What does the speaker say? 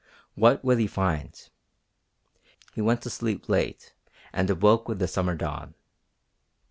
What would he find? He went to sleep late and awoke with the summer dawn.